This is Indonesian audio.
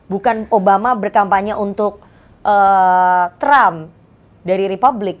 bukan obama berkampanye untuk trump dari republik